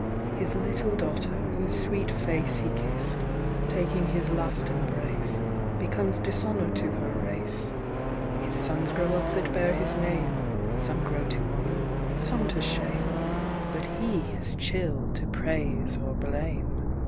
"His little daughter, whose sweet face He kiss'd, taking his last embrace, Becomes dishonour to her race— "His sons grow up that bear his name, Some grow to honour, some to shame,— But he is chill to praise or blame.